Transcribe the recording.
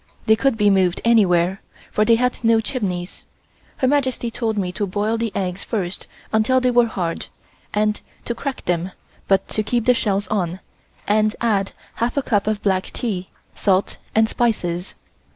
They could be moved anywhere, for they had no chimneys. Her Majesty told me to boil the eggs first until they were hard, and to crack them but to keep the shells on, and add half a cup of black tea, salt and spices.